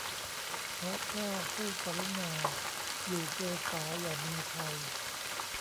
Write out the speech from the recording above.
พระเจ้าผู้กรุณา อยู่เกศาอย่ามีภัย